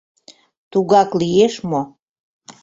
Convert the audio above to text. Тугак лиеш мо?..